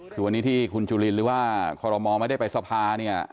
คือวันนี้ที่คุณจุลินหรือว่าคอรมอลไม่ได้ไปสภาเนี่ย